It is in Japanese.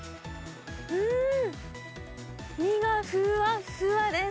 うーん、身がふわっふわです。